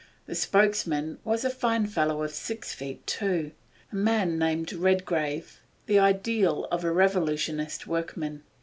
The spokesman was a fine fellow of six feet two, a man named Redgrave, the ideal of a revolutionist workman.